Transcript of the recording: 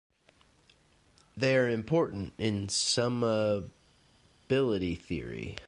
They are important in summability theory.